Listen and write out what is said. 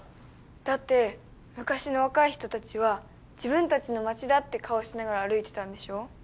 だって昔の若い人たちは自分たちの街だって顔しながら歩いてたんでしょ？